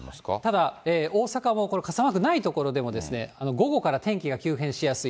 ただ大阪はこれ、傘マークない所でも午後から天気が急変しやすい。